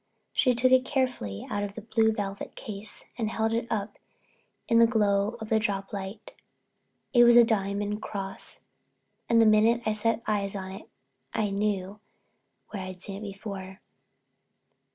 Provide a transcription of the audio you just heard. She took it careful out of a blue velvet case and held it up in the glow of the drop light. It was a diamond cross and the minute I set eyes on it I knew where I'd seen it before.